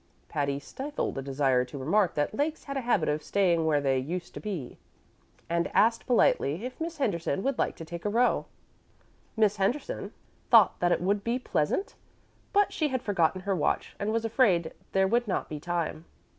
Patty stifled a desire to remark that lakes had a habit of staying where they used to be, and asked politely if Miss Henderson would like to take a row. Miss Henderson thought that it would be pleasant; but she had forgotten her watch, and was afraid there would not be time.